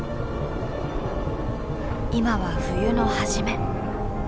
今は冬の初め。